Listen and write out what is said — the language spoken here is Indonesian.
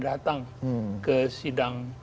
datang ke sidang